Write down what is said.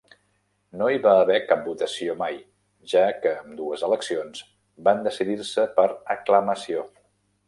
No hi va haver cap votació mai, ja que ambdues eleccions van decidir-se per Aclamació.